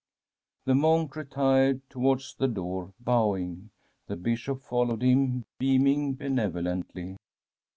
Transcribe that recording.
The monk retired towards the door, bowing. The Bishop followed him, beaming benevolently.